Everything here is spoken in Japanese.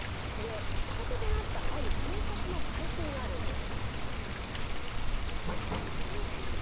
きっかけとなったある警察の会見があるんです。